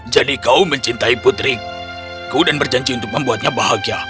jadi kau mencintai putriku dan berjanji untuk membuatnya bahagia